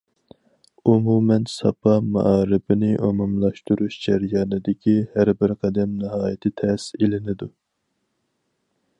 ئومۇمەن، ساپا مائارىپىنى ئومۇملاشتۇرۇش جەريانىدىكى ھەر بىر قەدەم ناھايىتى تەس ئېلىنىدۇ.